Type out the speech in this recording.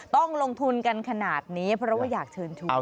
ต้องลงทุนกันขนาดนี้เพราะว่าอยากเชิญชวน